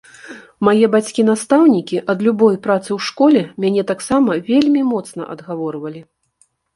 Мае бацькі, настаўнікі, ад любой працы ў школе мяне таксама вельмі моцна адгаворвалі.